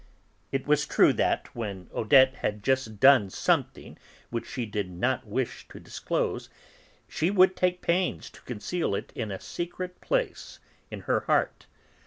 It was true that, when Odette had just done something which she did not wish to disclose, she would take pains to conceal it in a secret place in her heart.